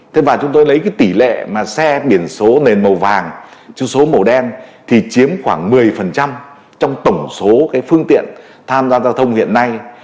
thế và chúng tôi lấy cái tỷ lệ mà xe biển số nền màu vàng chữ số màu đen thì chiếm khoảng một mươi trong tổng số cái phương tiện tham gia giao thông hiện nay